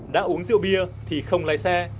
đã uống rượu bia thì không lái xe